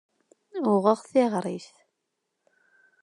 Uɣeɣ tiɣṛit.